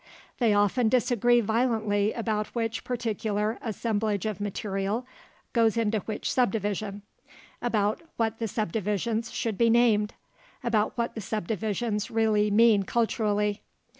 They often disagree violently about which particular assemblage of material goes into which subdivision, about what the subdivisions should be named, about what the subdivisions really mean culturally.